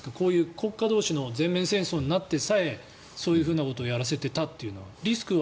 国家同士の全面戦争になってさえそういうふうなことをやらせていたというのは。